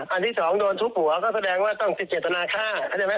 อันที่สองโดนทุกหัวก็แสดงว่าต้องติดเจตนาค่า